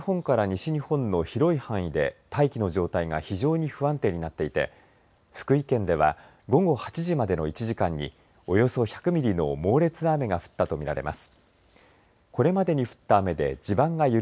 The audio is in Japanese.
暖かく湿った空気などの影響で北日本から西日本の広い範囲で大気の状態が非常に不安定になっていて福井県では午後８時までの１時間におよそ１００ミリの猛烈な雨が降ったと見られます。